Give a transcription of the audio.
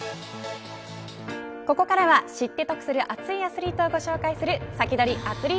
ここからは知って得する熱いアスリートをご紹介するサキドリ！